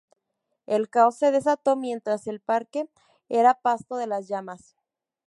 El caos se desató mientras el parque era pasto de las llamas.